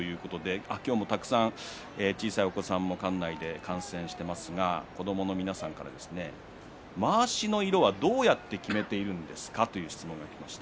今日もたくさん小さいお子さん館内で観戦していますが子どもの皆さんからまわしの色は、どうやって決めているんですか？という質問がきました。